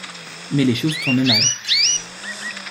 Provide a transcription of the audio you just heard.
Mais les choses tournent mal.